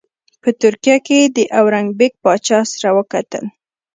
په ترکیه کې یې د انوربیګ پاشا سره وکتل.